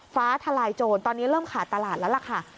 ฟ้าทลายโจรตอนนี้เริ่มขาดตลาดแล้วล่ะค่ะ